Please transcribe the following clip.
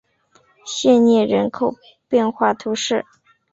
谢涅人口变化图示